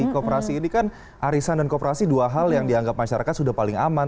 kooperasi ini kan arisan dan kooperasi dua hal yang dianggap masyarakat sudah paling aman